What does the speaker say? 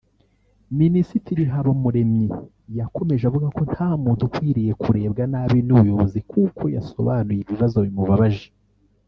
Minisitiri Habumuremyi yakomeje avuga ko nta muntu ukwiriye kurebwa nabi n’ubuyobozi kuko yasobanuye ibibazo bimubabaje